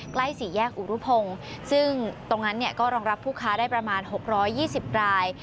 สี่แยกอุรุพงศ์ซึ่งตรงนั้นก็รองรับผู้ค้าได้ประมาณ๖๒๐ราย